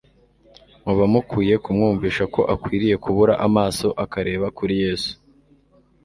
muba mukwiye kumwumvisha ko akwiriye kubura amaso akareba kuri Yesu.